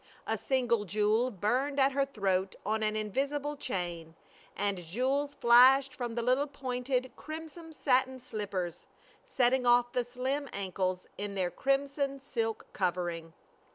A single jewel burned at her throat on an invisible chain, and jewels flashed from the little pointed crimson satin slippers, setting off the slim ankles in their crimson silk covering.